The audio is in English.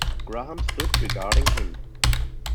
Graham stood regarding him.